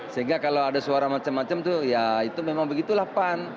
sehingga kalau ada suara macam macam itu ya itu memang begitu lah pak